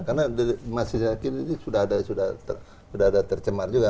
karena masih saya yakin ini sudah ada tercemar juga